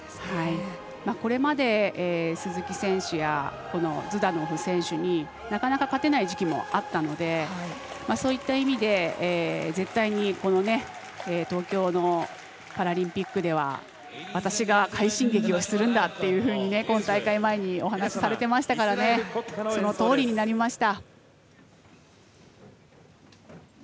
これまで鈴木選手やズダノフ選手に、なかなか勝てない時期もあったのでそういった意味で、絶対にこの東京のパラリンピックでは私が快進撃をするんだっていうふうに今大会前にお話をされていましたのでそのとおりになりました。